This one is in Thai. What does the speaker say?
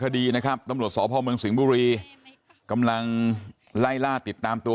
คดีนะครับตำรวจสพเมืองสิงห์บุรีกำลังไล่ล่าติดตามตัว